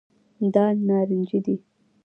دال نارنجي دي.